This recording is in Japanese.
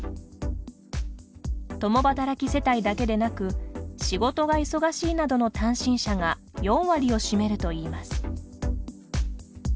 共働き世帯だけでなく仕事が忙しいなどの単身者が４割を占めるといいます。